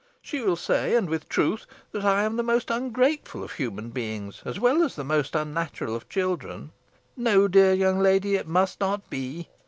She will say, and with truth, that I am the most ungrateful of human beings, as well as the most unnatural of children. No, dear young lady, it must not be.